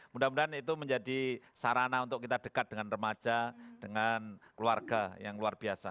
mudah mudahan itu menjadi sarana untuk kita dekat dengan remaja dengan keluarga yang luar biasa